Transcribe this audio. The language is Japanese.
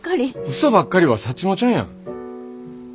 うそばっかりはサッチモちゃんやん。